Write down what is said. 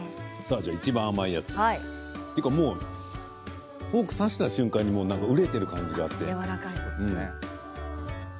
いちばん甘いやつフォークを刺した瞬間に熟れている感じがあって。